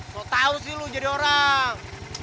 mau tau sih lo jadi orang